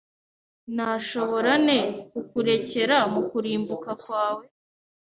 Nashobora nte kukurekera mu kurimbuka kwawe